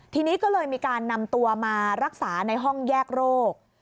ทีนี้ก็เลยมีการนำตัวมารักษาในห้องแยกโรค